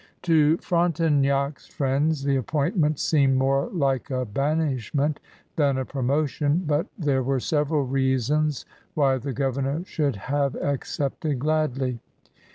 To Frontenac's friends the appointment seemed more like a banishment than a promotion. But there were several reasons why the governor should have accepted gladly.